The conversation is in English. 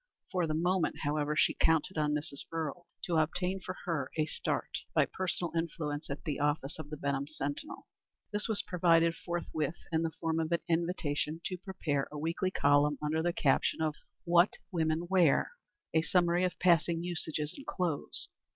For the moment, however, she counted on Mrs. Earle to obtain for her a start by personal influence at the office of the Benham Sentinel. This was provided forthwith in the form of an invitation to prepare a weekly column under the caption of "What Women Wear;" a summary of passing usages in clothes.